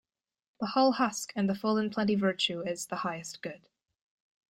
The hull husk and the full in plenty Virtue is the highest good.